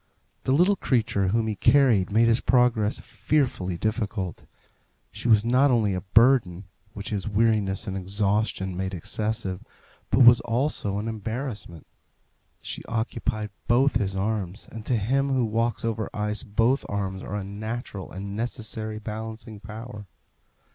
The little creature whom he carried made his progress fearfully difficult. She was not only a burden, which his weariness and exhaustion made excessive, but was also an embarrassment. She occupied both his arms, and to him who walks over ice both arms are a natural and necessary balancing power.